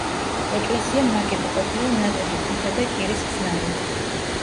ეკლესია ნაგები ყოფილა ნატეხი ქვითა და კირის ხსნარით.